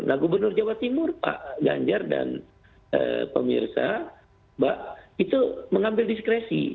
nah gubernur jawa timur pak ganjar dan pemirsa mbak itu mengambil diskresi